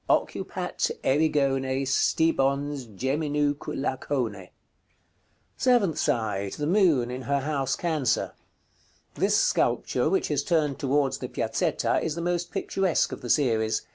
"OCCUPAT ERIGONE STIBONS GEMINUQ' LACONE." § CXIV. Seventh side. The Moon, in her house Cancer. This sculpture, which is turned towards the Piazzetta, is the most picturesque of the series.